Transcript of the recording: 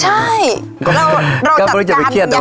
ใช่แล้วเราจัดการยังไงก็ไม่ต้องไปเครียดตรงนี้